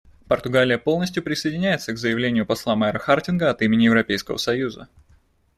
Португалия полностью присоединяется к заявлению посла Майр-Хартинга от имени Европейского союза.